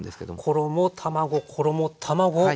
衣卵衣卵